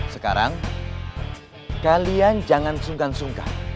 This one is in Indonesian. sekarang kalian jangan sungkan sungkan